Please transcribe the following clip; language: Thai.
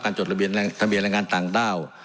การจดระเบียนรายงานต่างด้าว